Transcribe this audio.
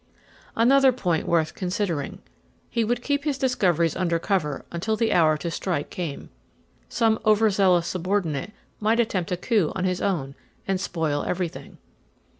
Another point worth considering: He would keep his discoveries under cover until the hour to strike came. Some over zealous subordinate might attempt a coup on his own and spoil everything.